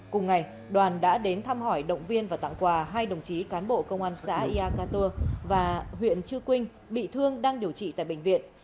cùng ngày đoàn đã đến thăm hỏi động viên và tặng quà hai đồng chí cán bộ công an xã ia cà tùa và huyện chư quynh bị thương đang điều trị tại bệnh viện